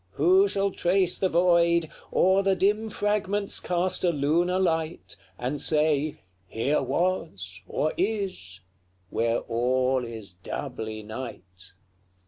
who shall trace the void, O'er the dim fragments cast a lunar light, And say, 'Here was, or is,' where all is doubly night?